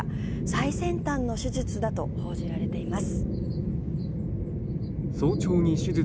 最先端の手術だと報じられています。